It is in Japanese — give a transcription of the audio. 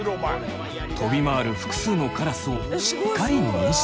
飛び回る複数のカラスをしっかり認識。